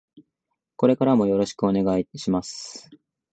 これからもよろしくお願いします。